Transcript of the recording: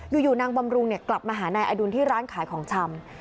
อยู่นางบำรุงกลับมาหานายอดุลที่ร้านขายของชำ